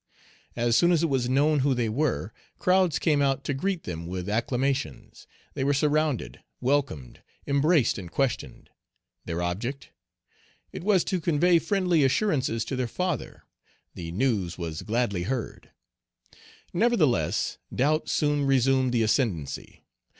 As soon as it was known who they were, crowds came out to greet them with acclamations; they were surrounded, welcomed, embraced, and questioned. Their object? It was to convey friendly assurances to their father. The news was gladly heard. Nevertheless, doubt soon resumed the ascendency.